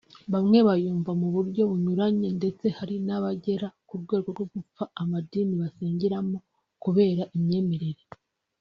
bamwe bayumva mu buryo bunyuranye ndetse hari n’abagera ku rwego rwo gupfa amadini basengeramo kubera imyemerere